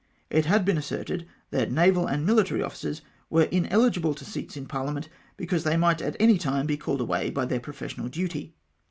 "It had been asserted, that naval and military officers were ineligible to seats in parliament, because they might at acy time be called away by their professional duty.